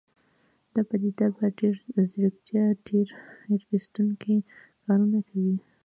دا پديده په ډېره ځيرکتيا تېر ايستونکي کارونه کوي.